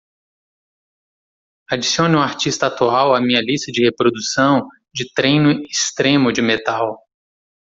Adicione o artista atual à minha lista de reprodução de treino extremo de metal